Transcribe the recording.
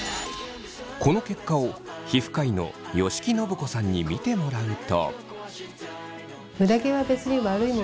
この結果を皮膚科医の吉木伸子さんに見てもらうと。